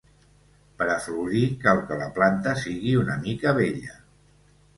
Per a florir cal que la planta sigui una mica vella.